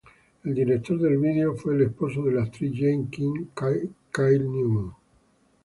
El director del video fue el esposo de la actriz Jaime King, Kyle Newman.